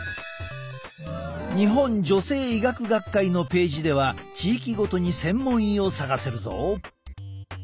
日本女性医学学会のページでは地域ごとに専門医を探せるぞ。